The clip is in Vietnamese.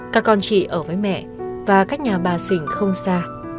các con chị ở với mẹ và các nhà bà sỉnh không xa